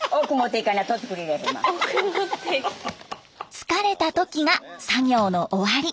疲れた時が作業の終わり。